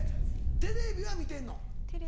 テレビは見てんの？